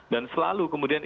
dan selalu kemudian